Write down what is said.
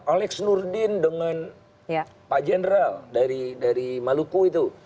alex nurdin dengan pak general dari maluku itu